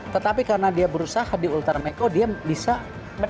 tetapi karena dia berusaha di ultra mikro dia bisa tidak turun